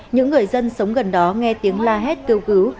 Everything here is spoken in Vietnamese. những người dân sống gần đó nghe tiếng la hét kêu cứu